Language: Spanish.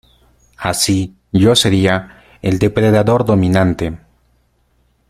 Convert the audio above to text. Así, yo sería... El depredador dominante .